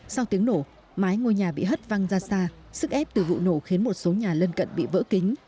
sau tiếng nổ mái ngôi nhà bị hất văng ra xa sức ép từ vụ nổ khiến một số nhà lân cận bị vỡ kính